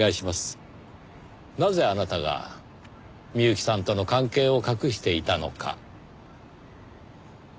なぜあなたが美由紀さんとの関係を隠していたのか。